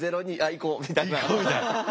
「行こう」みたいな。